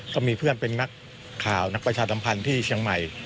ก็มีเพื่อนเป็นนักข่าวนักประชาสัมพันธ์ที่เชียงใหม่